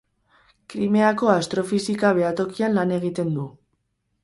Krimeako Astrofisika Behatokian lan egiten du.